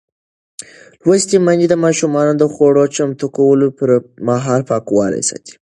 لوستې میندې د ماشومانو د خوړو چمتو کولو پر مهال پاکوالی ساتي.